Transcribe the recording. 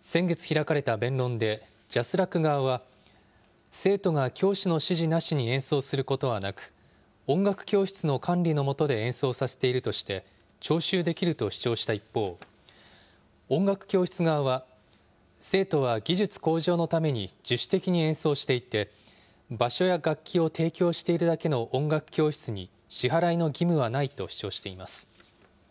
先月開かれた弁論でＪＡＳＲＡＣ側は、生徒が教師の指示なしに演奏することはなく、音楽教室の管理の下で演奏させているとして、徴収できると主張した一方、音楽教室側は、生徒は技術向上のために自主的に演奏していて、場所や楽器を提供しているだけの音楽教室に支払いの義務はないと主張しています。